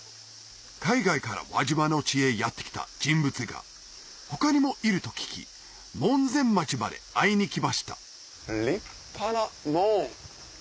海外から輪島の地へやって来た人物が他にもいると聞き門前町まで会いに来ました立派な門。